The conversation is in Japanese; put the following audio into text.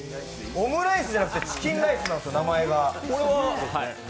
オムライスじゃなくてチキンライスなんです、名前が。